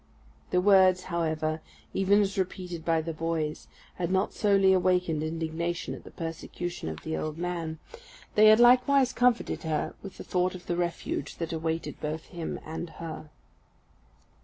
The words, however, even as repeated by the boys, had not solely awakened indignation at the persecution of the old man: they had likewise comforted her with the thought of the refuge that awaited both him and her.